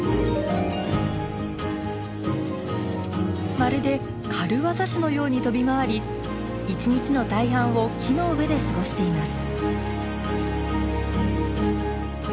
まるで軽業師のように跳び回り一日の大半を木の上で過ごしています。